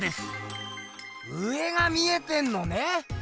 上が見えてんのね！